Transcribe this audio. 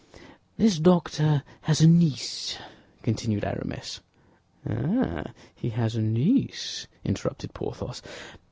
"This doctor has a niece," continued Aramis. "Ah, he has a niece!" interrupted Porthos.